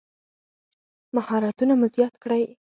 مهارتونه مو زیات کړئ